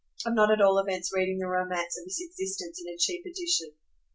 of not at all events reading the romance of his existence in a cheap edition.